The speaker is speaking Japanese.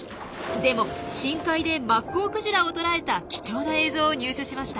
でも深海でマッコウクジラを捉えた貴重な映像を入手しました。